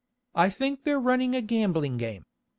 I think they're running a gambling game.